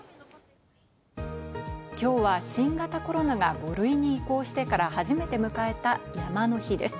きょうは新型コロナが５類に移行してから初めて迎えた山の日です。